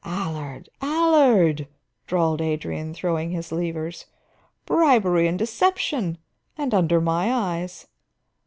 "Allard, Allard," drawled Adrian, throwing his levers, "bribery and deception! And under my eyes."